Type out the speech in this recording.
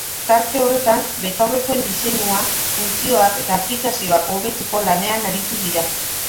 Tarte horretan, betaurrekoen diseinua, funtzioak eta aplikazioak hobetzeko lanean aritu dira.